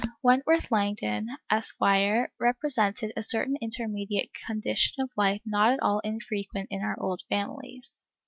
Wentworth Langdon, Esq., represented a certain intermediate condition of life not at all infrequent in our old families.